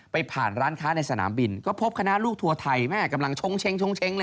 ไปผ่านร้านค้าในสนามบินก็พบคณะลูกถั่วไทยแม่กำลังชงเช้งเลยล่ะ